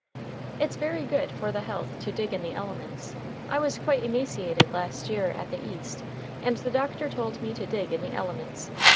"It's very good for the health to dig in the elements. I was quite emaciated last year at the East, and the doctor told me to dig in the elements.